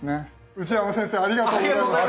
内山先生ありがとうございました。